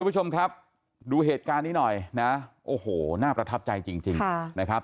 ผู้ชมครับดูเหตุการณ์นี้หน่อยนะโอ้โหน่าประทับใจจริงนะครับ